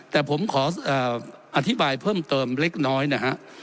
แต่ผมขออธิบายเพิ่มเติมเล็กน้อยนะฮะ